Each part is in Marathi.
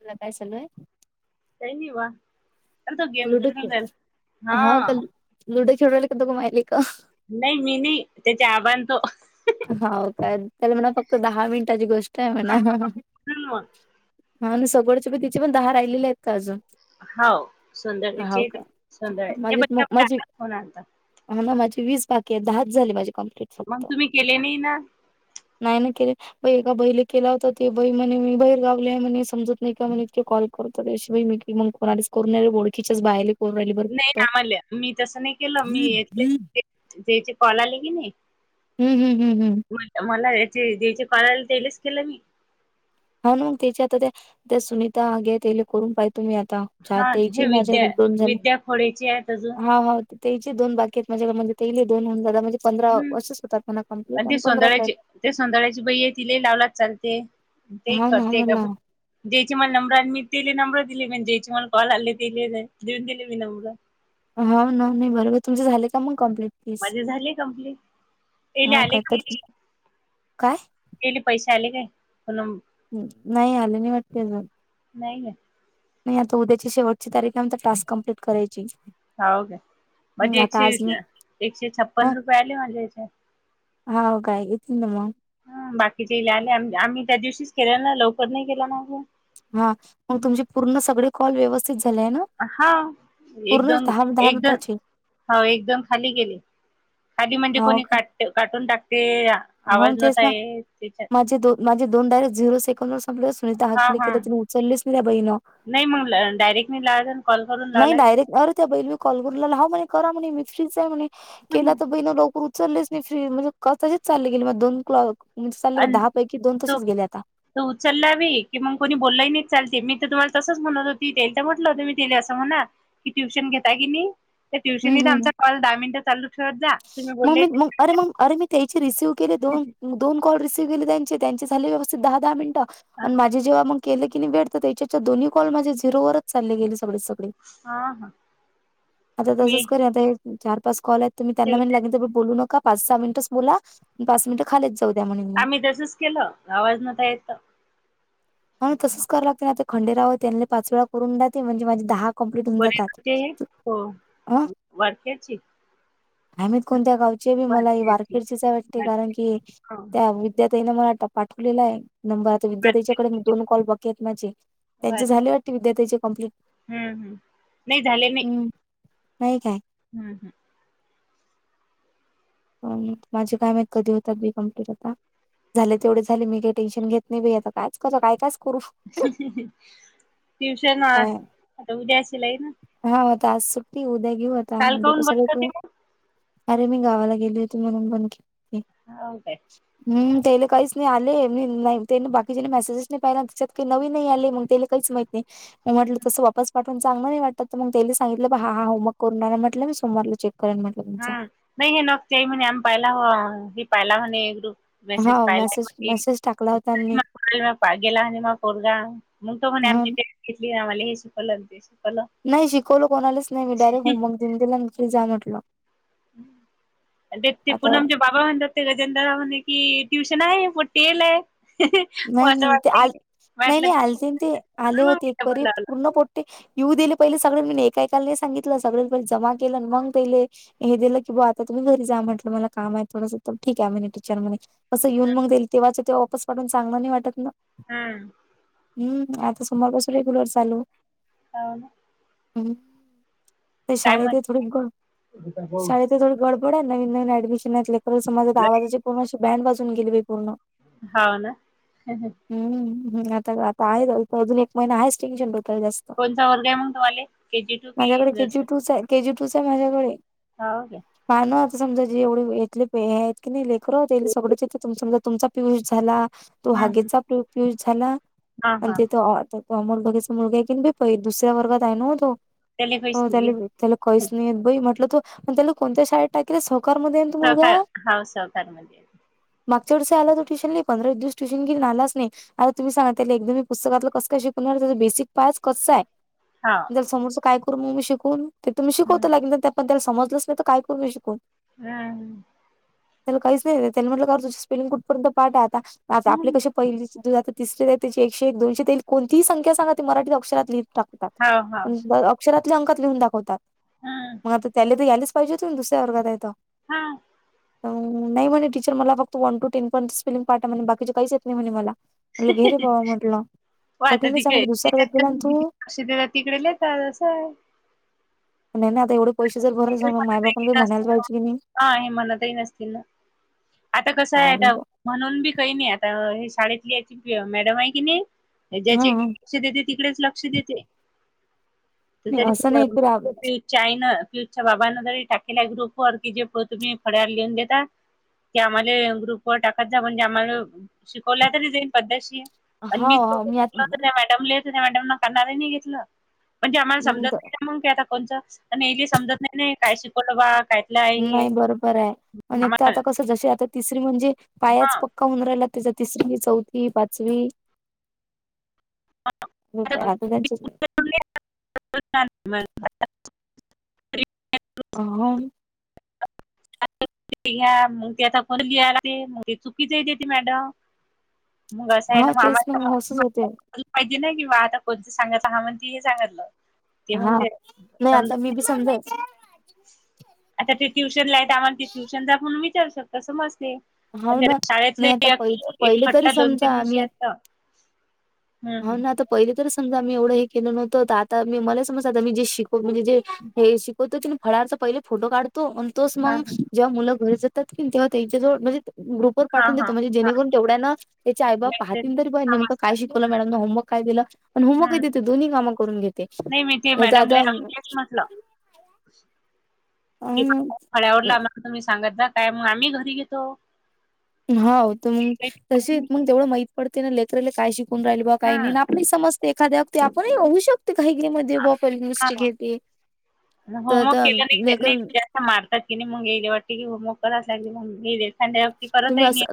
तुला काय चालूये? काय नि वा. अर तो गेम लुडो खेळून खेळ जाईल, हाव का हा. लुडो खेळू राहिले का दोघं मायले का? नाही मी नाही त्याच्या आबानतो. हाव काय त्याला म्हणा फक्त दहा मिनिटाची गोष्ट आहे म्हणा. मग हा आणि सकाळच्या पण तिचे पण दहा राहिले आहेत का अजून? हो संध्याकाळचे हाव का? येती, संध्याकाळ, हे माझे बघ मग त्यो माझी काकाचा फोन आलता. हा ना माझी वीस बाकी आहे, दहाच झाली माझी कंप्लीट. मग तुम्ही केले नाही ना? नाही ना केले. ये एका बईला केला होता ते बाई म्हणे मी बहीर गावले आहे. म्हणे समजत नाही का म्हणे इतके कॉल करतात आहे अशी बाई. मग कोणालाच करू नये ओळखीच्याच बायाले. करून राहिली बरं नाही फक्त. आम्हाल मी तसं नाही केलं, हम्म मी थ हम्म त्याचे कॉल आले की नाही. हम्म हम्म हम्म हम्म. मला, याचे, ज्याचे कळायला तेलेच केलं. मी. हा. मग, त्याच्या आता ते सुनीता आगे तेन करून पाहिल. तुम्ही आता [unintelligible] हा द्यायची हे विद्या माझ्याकडून झालं विद्या खोडेचे आहेत अजून हा. हा. तेची दोन बाकी आहेत माझ्याला म्हणजे तेले दोन होन जादा म्हणजे पंधरा हम्म असंच होतात, मला कंम्लिट पण ती आणि पंधराच आहेत. सोंदळ्याची ते सौंदळ्याची बाई आहे तिले ही लावला चालते तेही हाव ना करते का मला ज्याचे मला नंबरान मी तेले नंबर दिले मंग ज्याचे मला कॉल आले तेले देऊन गेले मी नंबर. हा ना नाही बरोबर तुमचे झाले का? मग कंम्प्लीट. मले झाले कंप्लीट, तेला हाव आले काय का. तर काय? गेले पैसे आले म्हणून. हम्म. नाही आले. नाही वाटते अजून. नाही ग. नाही. आता उद्याची शेवटच्या तारीख, नंतर टास्क कम्प्लीट करायचे. होवू काय? माझे एकशे, एकशे छप्पन रुपये. आले माझ्या याच्यावर. हावू का? [unintelligible] मग ह बाकीचे हिला आले, आम्ही आम्ही त्या दिवशीच केले ना लवकर नाही केला ना. हा मग तुमचे पूर्ण सगळे कॉल व्यवस्थित झाले आहे ना? हा. पूर्ण एकदम दहा दहा एकजण. मिनिटाचे हो. एकदम खाली गेले. खाली म्हणजे हाव कोणी? का? काट काटून टाकते. हाव आवाज तेच नव्हता ना येत त्याच्यात. माझे दो माझे दोन डायेक्ट झिरो सेकंड वर संपलं. सुनीता हा हाके हा न उचललीस नाही त्या बाईंना. नाही. मग, डायरेक्टी लावायचा नाही. कॉल करून लावाय डायरेक्ट अर त्या बैला मी कॉल करूनला ह करा म्हणे मी तशीच आहे म्हणे केला तर बहीण लवकर. उचलेच नाही फ्री म्हणजे की तशीच चालले गेली. मग दोन कॉल म्हणजे? दहा पैकी दोन तसेच गेले आता. त उचललावी की मग कोणी बोललाही नाही चालते, मी तर तुम्हा तसच म्हणत होती तेल तर म्हटलं हो त म्हटले असं म्हणा. की ट्युशन घेताय की नाही. त्या ट्युशन हं, नी हं. हं. आमचा कॉल दहा मिनिटं चालू ठेवत जा. तुम्ही मग. बोलले मी. म. अरे! मग, अरे मी त्याचे रिसीव्ह केले दोन मग दोन कॉल रिसीव्ह केले. त्यांचे, त्यांचे झाले व्यवस्थित. दहा, दहा मिनिटं हा आणि माझे जेव्हा मग. केलं की नाही वेट तर, त्याच्या दोन्ही कॉल माझे झिरो वरच चालले गेले. सगळेच सगळे. हा आता मी तसच करुयात, आता एक चार पाच कॉल आहेत, तु मी त्यांना ते म्हणला किन. बोलू नका. पाच, सहा मिनिटच बोला. पाच मिनिट खालीच जाऊ द्या. म्हणे. आम्ही तसचं केलं, आवाज नव्हता येत. तर. हा. आणि तसच कराय लागते. ना ते खंडेराव. त्यांनी पाच वेळा करून जाते म्हणजे माझी दहा. कंप्लीट होऊन परी म्हणतेय, जातात हो अ वारक्याची. काय? माहीत कोणत्या? गावची बी मला वारखेडची वारकरचीच आहे वाटते. कारण वारखेड की हो त्या वि विद्याताईने मला पाठवलेला आहे नंबर आता. विद्याताईच्या कडे, दोन कॉल बाकी आहेत माझे. बर त्यांचे झाले वाटते. विद्याताईचे कम्प्लीट. हम्म हम्म, नाही झालेले नाही. हम्म. नाही काय? हम्म. हम्म. [unintelligible] माझे काय माहित? कधी? होतात बी कंम्प्लीट आता. झाले तेवढे झाले. मी काही टेन्शन घेत नाही. बाई आता कायच? कर काय? कायच? करू. ट्युशन काय आता उद्या शिलाई ना. हा. आता आज सुट्टी उद्या घेऊ आता. काल उद्या काऊन बंद कशाला होती घेऊ? मग अरे! मी गावाला गेली होती, म्हणून बंद केलं. मी. हो [unintelligible] काय? हम्म तेले काहीच नाही. आले न नाही, बाकी चे न मेसेजेस नाही, पाहिला त्याच्यात. ती नवीन नाही आली. मग, त्याले काहीच माहीत नाही. मग, म्हटलं तसं वापस पाठवून चांगलं नाही वाटत. तर मग, त्यानी सांगितलं ब हा हा. होमवर्क करू नका म्हटलं. मी सोमवारला चेक करीन म्हटलं. तुमचा. हमं नाही हे [unintelligible] म्हणे, आम्ही पाहिला हवा पाहिला म्हणे. मेसेज हा पाहिला मेसेज म्हटले. मेसेज टाकला होता आणि मी म गेला आणि मग कोरगा मग तो म्हणे हा आमची ते किटली या वाल्याची कलर देस. नाही. शिकवलं कोणालाच? नाही मी. डायरेक्ट होमवर्क देऊन दिेला. घरी जा म्हटलं. आणि ते त्रिकोण आता आमचे. बाबा म्हणत होते गजेंद्रव म्हण कि ट्युशन आहे पटेल आहे. मग नाही असं नाही ते वाटलं आ की नाही वाटलं नाही आलते ते, आले म्हणून मग होते मी एक डबल वरी लावला पूर्ण पट ते येऊ दिले पहिले सगळ्यां म एकाकाला सांगितलं सगळ्यां पहि जमा केलं मग पहिले. हे दिलं की बा आता तुम्ही घरी जा म्हटलं मला काम आहे, थोडंस तर ठीक आहे म्हणे तू चल म्हणे. असं येऊन मग देईल, तेव्हाच तेव्हा वापस पाठून चांगला नाही वाटत ना. हम्म हम्म आता समरपासून रेगुलर चालू. काहल? ह ते काय शाळे म्हण ते थोडी ग शाळे ते थोडी गडब थोड नवीन नवीन डमशनले खं माझा गावाजाची पूणशी बँड बाजून गेली पूर्ण हाव ना हेहे. हम्म हम आता आता आहे अजून एक महिना आहेच टेंशन डोक्याला जास्त. कोणचा वर्ग आहे मग तुम्हाले? के जी टू कि माझ्याकडे केजी नर्सरी? टूच आहे केजी टूच हाय माझ्याकडे. हो क्या? पायन आता समजा जे एवढे येथले आहेत की नाही लेकर सगळथे समजा तुमचा पिऊष झाला. तो हम्म हम्म हागिचा [unintelligible] झाला हा आणि हा ते तो. त अमोल बघेच मुलगा आहे की भ दुसऱ्या वर्गात आहे नव्ह तो, त्याले हो पैसे त्याले. दिले त्याले कहीच नाही येत बाई म्हटलं, तर त्याला कोणत्या शाळेत टा सवकार म त सहकार मुलगा? हाव सहकार मध्ये मागच्या व आला त ट्युशनली. पंधरा दिवस ट्युशन घे आलास नाही. आता तुम्ही सांगा एकदम मी पुस्तकातलं कस का शिकवणार? त्याचा बेसिक पास कच्चा आहे. हा समोर काय करू मग मी शिकून? ते तुम्ही शिकवत हम्म के त्याबद्दल समजलच नाही तर काय करू मी शिकून? हम्म [unintelligible] त्याला काहीच नाही, त्या म्हटलं कार तुझ स्पेलिंग कुठपर्यंत पाठ आहे आता आ आपले हम्म कसे पहिली ते तिसरी त्याची एके एक दोनशे येईल कोणतीही संख्या सांगा मराठी अक्षरात लिहील. टाकतात, हाव हाव अक्षरातले अंकात लिहून दाखवतात हम्म मग आता त्या तर यायलेच. पहिलीतून तून दुसऱ्या वर्गात हाय तो. हा नाही म्हणे टीचर मला फक्त वन टू टेन पण स्पेलिंग काय तर म्हणे बाकीचे काहीच येत नाही म्हणे मला म्ह घेरे बावा म्हटलं. हो आता कठीणच आहे तिकडे म्हटलं दुसऱ्या वर्गात त्याच्यात गेला आणि तू लक्ष देतात तिकडे लेतात असं हाय. नय ना तेवढं. त नतील की नाही हा हे मणतही नसतील ना! आता कसं आहे काय नाही आता? बा. म्हणून बी काही नाही, आता हे शाळेतली याची मॅडम आहे की नाही ज्याचे हा सध्या ती तिकडे लक्ष देते नाही जाईल. असं नाही की राग न पियुष च्या बाबांना जरी तरी टाकेला ग्रुप की जे पण तुम्ही फड्यावर लिहून देता. ते आम्हाला ग्रुप व टाकत जा, म्हणजे आम्हाला शिकवल्या तरी जाईन पद्धशीर. [unintelligible] हा मॅड हा मी त्या मॅडम करणार नाही घेतलं, म्हणजे आम्हाला समजत आता नाही मगी आता कोणचच. प यायले समजत नाही काय शिकवलं बा काय नाही बरोबर आहे प एक तर आता कस जशी आता तिसरी म्हणजे पायाच हा पक्का होऊन राहिला. त्याचा तिसरी, चौथी, पाचवी. हो आता त्यांच्याच नाही. [inaudible] हाव ते घ्या मग ते आता को लिला मग ते चुकीच येते मॅडम. मग असं आहे हा ना तेच मामाच्या असंच होते मुळं. पाहिजे नाही कि बा आता कोणंत सांगायचं हा म्हणती हे सांगितलं. ते हा म्हणजे समजत नाही ना. [inaudible] आता ते ट्युशनला हाय तर आम्हाला ते ट्युशनलापण मी विचारू शकते समजते. मग हाव ना त्याला नाही आता शाळेतलेही पहि एक पहिले तरी खट्टा दोन समजा तीन विषयातलं हाव ना आता पहिले तरी समजा मी एवढं हे केलं नव्हतं. तर आता मी मलाही समज आता मी जे शिक स्कूलमध्ये जे हे शिकवतो की नाही, फळ्यावरचा पहिले फोटो काढतो आणि तोच हा मग जेव्हा मुलं घरी जातात की नाही, तेव्हा त्यांच्या जवळ म्हणजे ग्रुपवर हा पाठवून हा देतो, म्हणजे हा जेणेकरून तेवढ्यांनाच त्याचे आई बाप लायब्ररी पाहतील तरी बाई नेमकं काय समजतात शिक बोला मॅडमनं होमवर्क काय दिलं पण होमवर्कही हम्म देते, दोन्ही काम करून घेत. नाही माहिती आहे मॅडमला आम्ही तेच म्हटलं. की अं फळ्यावर लावलं का तुम्ही सांगता, काय मग आम्ही घरी घेतो. हाव मग तसे मग तेवढं माहित पडते ना लेकराला काय शिकून राहिल बा काही हा नाही आपण समज. एखाद्या वरती आपणही होऊ शक काही गेममध्ये [unintelligible] यूज हा घेते. तर होमवर्क आता केला नाही नाही लेकरं जास्त मारतात की नाय मग ईलेओटी ह मुल मग करावंच लागेल ना. [unintelligible] करतही नाही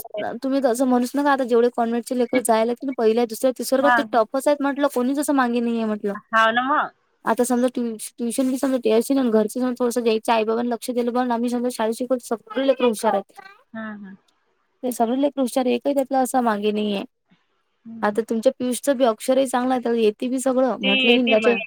[inaudible] तुम्ही तर असं म्हणुच नका. आता जेवढे कॉन्हेटची लेकरं जायालेत की नाहीत पहिल्या, दुसऱ्या, तिसरं काय हा का ते टॉपच आहेत. म्हटलं कोणीच असं मागे नाहीये मग. हाव ना मग. आता समजा ट्युश ट्यूशनची समजा [unintelligible] ना घरचीनं थोडंस द्यायची. आई बाबांनी लक्ष दिलं बघ ना आम्ही सुद्धा शाळेत शिकवू शकतो. [unintelligible] आहेत. हा हा. ते सगळी लेकरं हुशार आहे, एकही त्यातलं असं मागे नाहीये. आता तुमच्या पियुष चंबी अक्षरही सांगाय तर येत ते येते मग.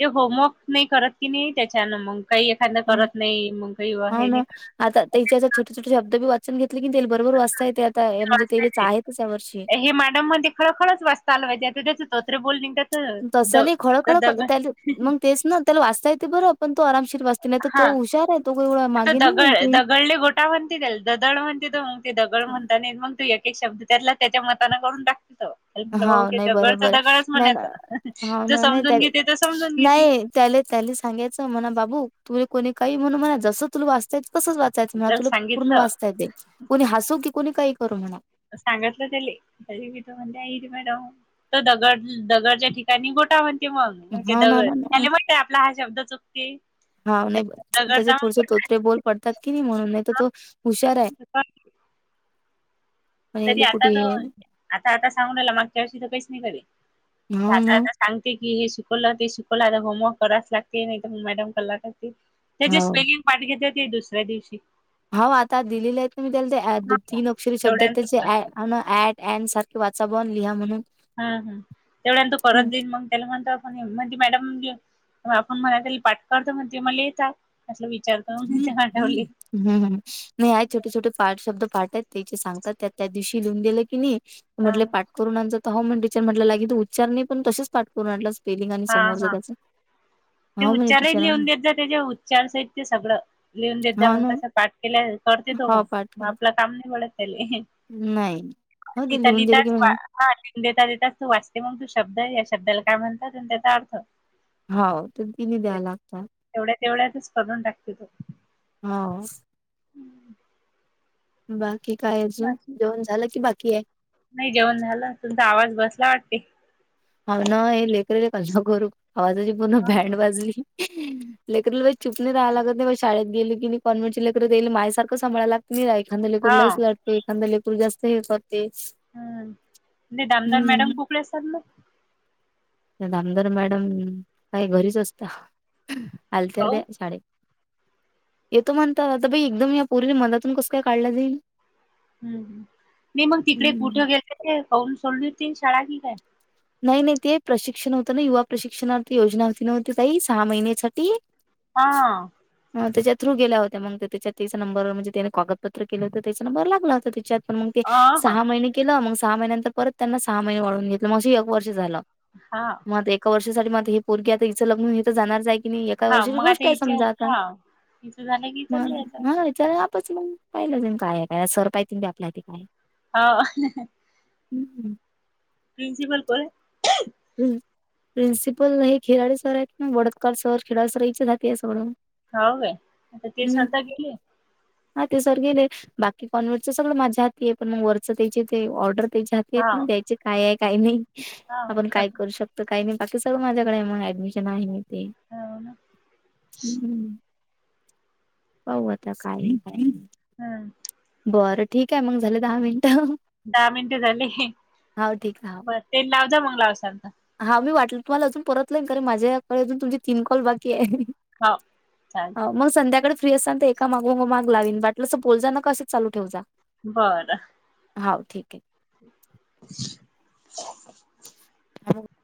ते होमवर्क नाही करत की नाही त्याच्यान मग काही त्यांना करत नाही मग काही हा हे ना, नाही आता करत त्याच्यात छोटे छोटे शब्दबी वाचून घेतले की नाही तेला बरोबर वाचता येत्यात. अ हे म्हणजे तेले आहेचच या वर्षी. ही मॅडम मध्ये खळखळच वाचता आलं पाहिजे. ज्याचं ज्याचं तोत्र बोलणं येतं तसं नाही खळखळ त्या मग तेच ना, त्याला वाचता येतंय बरं पण तो आरामशीर वाच नाही तर हा तो हुशार आहे तो. आता दगड आहे, दगडले गोटा म्हणते त्याला ददड म्हणते. तो म्हणतो दगड म्हणता नाही येत. मग तो एक शब्द त्यातला त्याच्या मतान करून टाकतो तो. अ हाव [unintelligible] ते नाही दगड बरोबर ते आहे दगडच नाही ना म्हणायचा. हाव जो ना नाही समजून त्या घेते, तो समजून घेती. नाही त्याले त्याले सांगायचं, म्हणा बाबू तुले कोणी काही म्हणू म्हणा. जस तुला वाचता येतंय, तसच वाच. चाच ना तर तुला पूर्ण सांगितलं वाचता येतंय, कोणी हसू की कोणी काही करू म्हणा. सांगितलं त्याले. तरी ण मॅडम दगड दगडच्या ठिकाणी गोटा. मग मग ते हा ना ना दगड ना त्याले माहितीये आपला हा शब्द चुकती. हाव नाही. त्याचं थोडेसे तोत्रे बोल पडतात की नाही म्हणून, नाही तर तो हुशार आहे. गोटा पण तरी याले आता कुठे त आता आता सांगून रायला. मागच्या वर्षी तर कहीच नाही करी. हाव आता ना आता सांगते की हे शिकवलं ते शिकवलं. आता होमवर्क कराच लागते, नाहीतर मग मॅडम कल्ला करतील. याची हाव स्पेलिंग पाठ घेतात ते दुसऱ्या दिवशी. हाव आता दिलेले आहेत का मी त्याला ते तीन अक्षरी शब्दात तेवढ्यान त्याचे आय आणि ऍट अँडसारखे वाचा बुवा आणि लिहा म्हणून. हा हा तेवढ्यानं तो परत हम्म. जाईन, मग त्याला म्हणता म्हणे मधी मॅडम आपण मला त्याले पाठ करतो म्हटले, मले येतात असलं वि चालतय म्हणून इथं पाठवली. हम्म हम्म, नाही आहेत छोटे छोटे पाच शब्द पाठ आहेत, त्याचे सांगतात त्या त्या दिवशी. मी लिहून दिलं की नाही हा म्हंटल पाठ करून आण जा तर हो‌ म्हंटला टीचर [unintelligible] लागु उच्चार नाही पण तसेच पाठ करून आणलं स्पेलिंग आणि हा समोरचं हा त्याच हो म्हणे टीचरांनी त्याच्या उच्चार सहित ते सगळं लिहून देत जा, हाव मग ना कस पाठ केल्या करते तो हाव मग. पाठ मग करून आपला सामने [unintelligible] नाही. हो दिल्लीहून गेल ते वा मागनं. हा लिहून देता देता ते वाचते मग, तू शब्द या शब्दाला काय म्हणतात आणि त्याचा अर्थ. हाव [unintelligible] ते- द्याय लागता तेवढ्या तेवढ्यातच करून टाकते तो हो. बाकी काय अजून, बाकी जेवण झालं की बाकी आहे? नाही जेवण झालं, तुमचा आवाज बसला वाटते. हा ना हे लेकरले कसं करू, आवाजाची पूर्ण बँड हा वाजली. लेकराला बाई चूप नाही राहाय लागत आहे. व शळेत गेली की कॉन्हेंटची लेकरं जाईला माझ्यासारखं सांभाळायला लाग नाही एखांदा लेकूर हा लयच लढते एखांदा लेकूर जास्त हे करते. हम्म नाही दामदार मॅडम हम्म कुठले [unintelligible] मग? त्या धामदर मॅडम काही घरीच असता. आलत्या काऊ त्या शाळेत. येतो म्हणतात आता बई एकदम या पोरीला मनाातून कसं काय काढला जाईल? हम्म हम्म नाही मग तिकडे हम्म. कुठे गेलते ते [unintelligible] सोडली ते शाळा की काय? नाही नाही ते प्रशिक्षण होतं ना युवा प्रशिक्षणार्थी योजना होती नव्हं ते ताई सहा महिन्यासाठी? हां. ह त्याच्या थ्रू गेल्या होत मग ते त्याच्या त्याचा नंबर म्हणजे त्याने कागदपत्र केलं होतं, त्याचा नंबर लागला होता त्याच्यात. पण मग ते अ ह सहा महिने केलं, मग सहा महिन्यानंतर परत त्यांना सहा महिने वाढवून घेतलं, मग अशी एक वर्ष झालं. हा. मग आता एका वर्षासाठी मग आता हे पोरगी आता हिच लग्न होऊन हि तर जाणारच आहे. कि नाही एका हा वर्षाची मग आता गोष्ट आहे हिच्या समजा आता. हा हिचं झालं की चाललंय याच मग [unintelligible] चला आपच मग पाहिलं तेन काय काय सर पाहतीन बाई आपल्या ते काय. हाव. हम्म. प्रिनसिपल को [unintelligible] हम्म प्रिन्सिपल हे खेळाडी सर आहेत ना वडतकार सर [unintelligible] सर [unintelligible] सगळं. हाव काय? आता हं. ते [unintelligible] गेली? हा ते सर गेले. बाकी कॉन्व्हेटचं सगळ माझ्या हाती आहे, पण मग वरचं त्याचे ते ऑर्डर त्याच्यात हा [unintelligible] द्यायचे काय आहे काही नाही. हा आपण काय करू शक तर काही नाही. बाकी सगळं माझ्याकडे आहे, मग ऍडमिशन आहे ते हो ना पाहू आता काय हाय काय. हा. बरं ठीक आहे, मग झाले दहा मिनट. दहा मिनटे झाले. आहे, बर ते लाव जा मग लावसान तर. हा मी वाटलं तुम्हाला अजून परतलं करीन, माझ्याकडे अजून तुमचे तीन कॉल बाकी आहे. हो चालते हो मग संध्याकाळीच तुला सांगते एका मागो माग लावीन वाटलंस तर, बोल जा ना कसं चालू ठेव जा. बर हाव ठीक आहे. [unintelligible] [unintelligible]